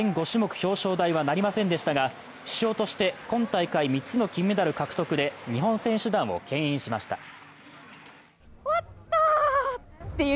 ５種目表彰台はなりませんでしたが、主将として今大会３つの金メダル獲得で日本選手団をけん引しました。